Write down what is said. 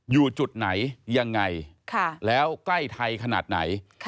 อยู่จุดไหนยังไงแล้วใกล้ไทยขนาดไหน